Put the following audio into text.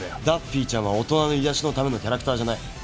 ダッフィーちゃんは大人の癒やしのためのキャラクターじゃない。